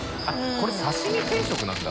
これ刺身定食なんだ。